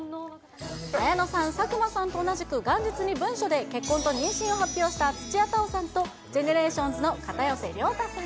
綾野さん、佐久間さんと同じく、元日に文書で結婚と妊娠を発表した土屋太鳳さんと、ＧＥＮＥＲＡＴＩＯＮＳの片寄涼太さん。